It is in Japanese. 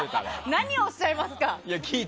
何をおっしゃいますか！